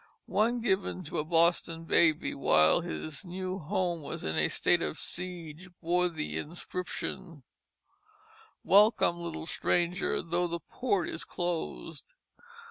One given to a Boston baby, while his new home was in state of siege, bore the inscription, "Welcome little Stranger, tho' the Port is closed."